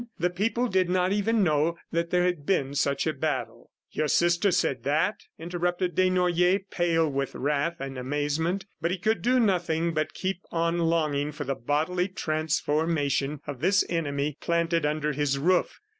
The people did not even know that there had been such a battle. "Your sister said that?" interrupted Desnoyers, pale with wrath and amazement. But he could do nothing but keep on longing for the bodily transformation of this enemy planted under his roof.